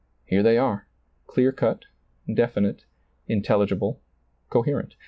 Here they are, clear cut, definite, intelligible, coherent.